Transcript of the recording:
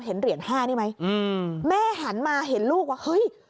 เห็นเหรียญห้านี่ไหมอืมแม่หันมาเห็นลูกว่าเฮ้ย